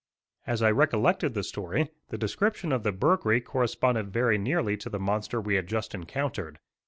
As I recollected the story, the description of the "Burghree" corresponded very nearly to the monster we had just encountered.